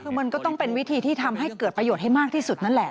คือมันก็ต้องเป็นวิธีที่ทำให้เกิดประโยชน์ให้มากที่สุดนั่นแหละ